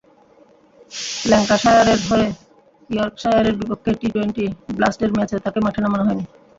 ল্যাঙ্কাশায়ারের হয়ে ইয়র্কশায়ারের বিপক্ষে টি-টোয়েন্টি ব্লাস্টের ম্যাচে তাঁকে মাঠে নামানো হয়নি।